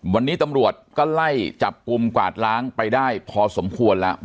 วันนี้ตำรวจก็ไล่จับกลุ่มกวาดล้างไปได้พอสมควรแล้ว